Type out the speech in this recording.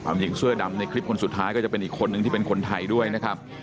หญิงเสื้อดำในคลิปคนสุดท้ายก็จะเป็นอีกคนนึงที่เป็นคนไทยด้วยนะครับ